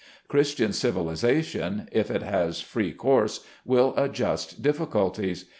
Christian civilization, if it has free course, will adjust difficulties.